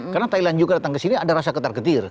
karena thailand juga datang ke sini ada rasa ketar ketir